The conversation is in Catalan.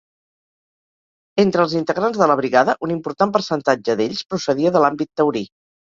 Entre els integrants de la brigada un important percentatge d'ells procedia de l'àmbit taurí.